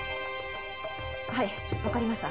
はいわかりました。